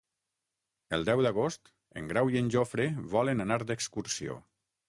El deu d'agost en Grau i en Jofre volen anar d'excursió.